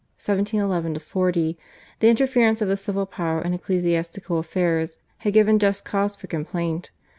(1711 40) the interference of the civil power in ecclesiastical affairs had given just cause for complaint.